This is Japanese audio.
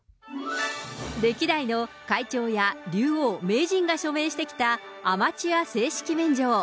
歴代の会長や竜王、名人が署名してきたアマチュア正式免状。